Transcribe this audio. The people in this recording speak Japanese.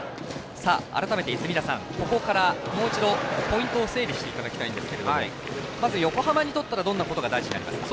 改めて、泉田さんここから、もう一度ポイントを整理していただきたいんですがまず横浜にとったらどんなことが大事になりますか。